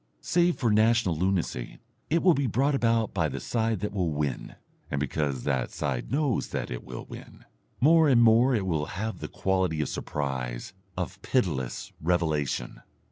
Save for national lunacy, it will be brought about by the side that will win, and because that side knows that it will win. More and more it will have the quality of surprise, of pitiless revelation.